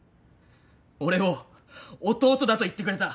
俺を弟だと言ってくれた。